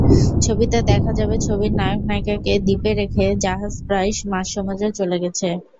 ছবিতে দেখা যাবে, ছবির নায়ক-নায়িকাকে দ্বীপে রেখে জাহাজ প্রায় মাঝসমুদ্রে চলে গেছে।